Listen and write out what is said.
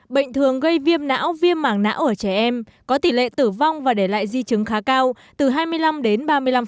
bệnh thường gây viêm não viêm mảng não ở trẻ em có tỷ lệ tử vong và để lại di chứng khá cao từ hai mươi năm đến ba mươi năm